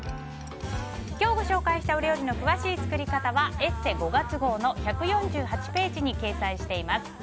今日ご紹介したお料理の詳しい作り方は「ＥＳＳＥ」５月号の１４８ページに掲載しています。